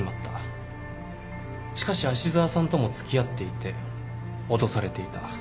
しかし芦沢さんとも付き合っていて脅されていた。